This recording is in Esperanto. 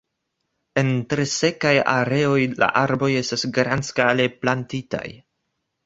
En tre sekaj areoj la arboj estas grandskale plantitaj.